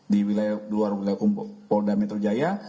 di luar wilayah hukum polda metro jaya